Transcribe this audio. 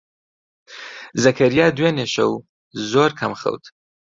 زەکەریا دوێنێ شەو زۆر کەم خەوت.